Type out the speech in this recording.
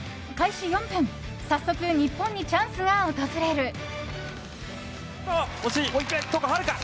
開始４分早速日本にチャンスが訪れる。